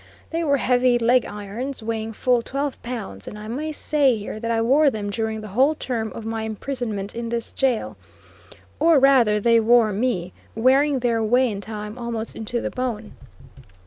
They were heavy leg irons weighing full twelve pounds, and I may say here that I wore them during the whole term of my imprisonment in this jail, or rather they wore me wearing their way in time almost into the bone.